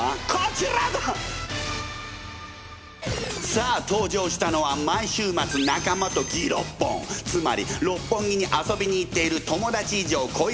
さあ登場したのは毎週末仲間とギロッポンつまり六本木に遊びに行っている友達以上恋人未満の男女。